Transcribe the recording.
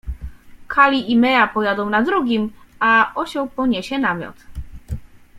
Kali i Mea pojadą na drugim, a osioł poniesie namiot.